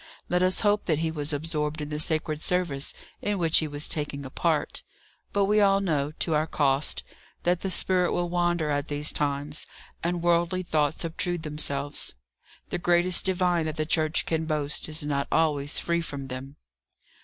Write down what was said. Let us hope that he was absorbed in the sacred service in which he was taking a part: but we all know, to our cost, that the spirit will wander at these times, and worldly thoughts obtrude themselves. The greatest divine that the Church can boast, is not always free from them.